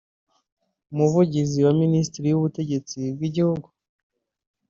Umuvugizi wa Minisiteri y’ubutegetsi bw’Igihugu